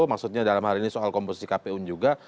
maksudnya dalam hal ini soal komposisi kpu juga